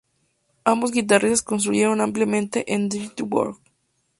Ambos guitarristas contribuyeron ampliamente en "Dirty Work.